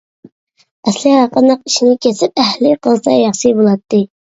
ئەسلى ھەرقانداق ئىشنى كەسىپ ئەھلى قىلسا ياخشى بۇلاتتى.